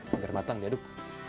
agar matang diaduk